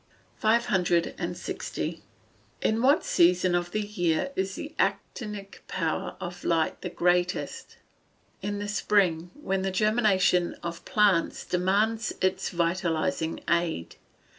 560. In what season of the year is the actinic power of light the greatest? In the spring, when the germination of plants demands its vitalising aid.